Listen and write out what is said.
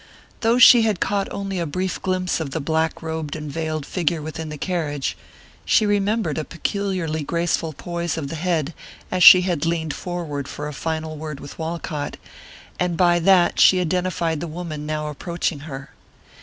Though she had caught only a brief glimpse of the black robed and veiled figure within the carriage, she remembered a peculiarly graceful poise of the head as she had leaned forward for a final word with Walcott, and by that she identified the woman now approaching her.